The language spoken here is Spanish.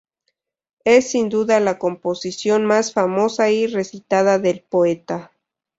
Es sin duda la composición más famosa y recitada del poeta.